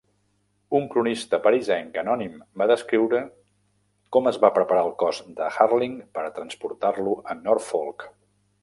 Un cronista parisenc anònim va descriure com es va preparar el cos de Harling per transportar-lo a Norfolk.